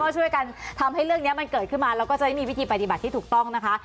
ช่วยกันทำให้เรื่องนี้มันเกิดขึ้นมาแล้วก็จะไม่มีวิธีปฏิบัติที่ถูกต้องนะคะ